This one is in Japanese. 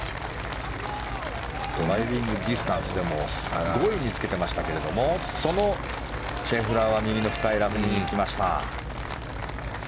ドライビングディスタンスでも上位につけていましたがそのシェフラーは右の深いラフに行きました。